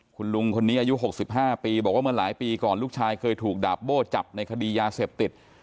คุณลุงคนนี้อายุ๖๕ปีบอกว่าเมื่อหลายปีก่อนลูกชายเคยถูกดาบโบ้จับในคดียาเสพติด